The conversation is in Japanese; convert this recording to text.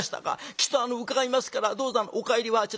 きっと伺いますからどうぞお帰りはあちら。